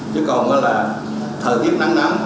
chứ còn là thời tiết nắng nắng